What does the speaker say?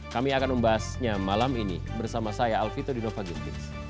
kami akan membahasnya malam ini bersama saya alvito dinova gintings